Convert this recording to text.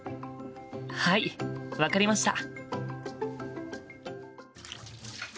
はい分かりました！